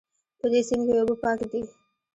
په دې سیند کې اوبه پاکې دي